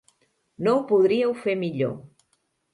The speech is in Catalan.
No ho podríeu fer millor.